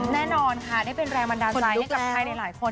แน่นอนค่ะได้เป็นแรงบันดาลใจให้กับใครหลายคน